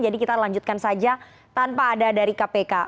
jadi kita lanjutkan saja tanpa ada dari kpk